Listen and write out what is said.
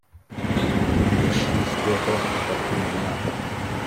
washyizweho hagati mu mwaka